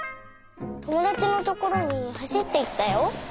ともだちのところにはしっていったよ。